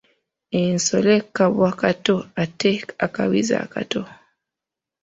Ensole kabwa kato ate akabizzi akato?